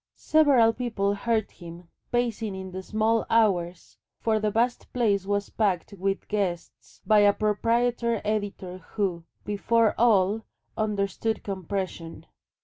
Several people heard him pacing in the small hours for the vast place was packed with guests by a proprietor editor who, before all understood compression.